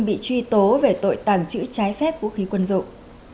bị truy tố về tội tàng trữ trái phép vũ khí quân dụng